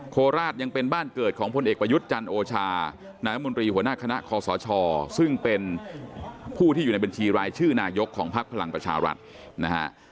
โคราชยังเป็นบ้านเกิดของพลเอกประยุทธ์จันทร์โอชานายมนตรีหัวหน้าคณะคอสชซึ่งเป็นผู้ที่อยู่ในบัญชีรายชื่อนายกของพักพลังประชารัฐนะฮะ